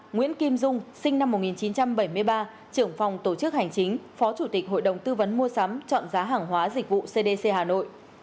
nguyễn kim dung sinh năm một nghìn chín trăm bảy mươi ba trưởng phòng tổ chức hành chính phó chủ tịch hội đồng tư vấn mua sắm chọn giá hàng hóa dịch vụ cdc hà nội